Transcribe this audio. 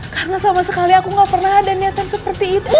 karena sama sekali aku gak pernah ada niatan seperti itu